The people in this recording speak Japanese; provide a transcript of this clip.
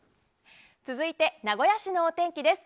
続いて、名古屋市のお天気です。